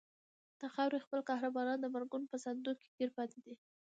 د خاورې خپل قهرمانان د مرګونو په ساندو کې ګیر پاتې دي.